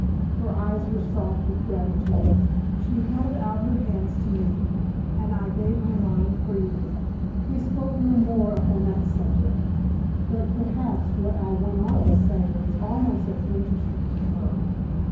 Her eyes were soft with gratitude. She held out her hands to me, and I gave her mine freely. We spoke no more upon that subject. But perhaps what I went on to say was almost as interesting to her.